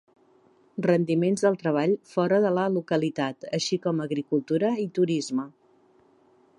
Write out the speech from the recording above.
Rendiments del treball fora de la localitat, així com agricultura i turisme.